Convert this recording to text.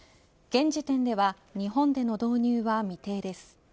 現時点では日本での導入は未定です。